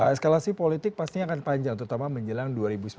eskalasi politik pasti akan panjang terutama menjelang dua ribu sembilan belas